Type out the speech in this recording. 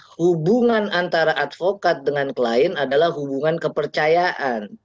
hubungan antara advokat dengan klien adalah hubungan kepercayaan